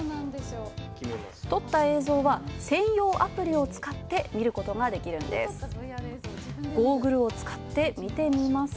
撮った映像は専用アプリを使って見ることができます。